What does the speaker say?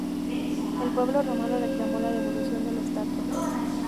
El pueblo romano reclamó la devolución de la estatua.